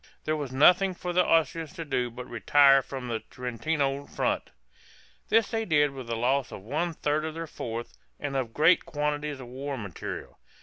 There was nothing for the Austrians to do but retire from the Trentino front. This they did with the loss of one third of their force, and of great quantities of war material.